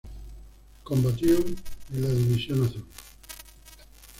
Combatió en la División Azul.